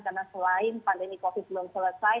karena selain pandemi covid belum selesai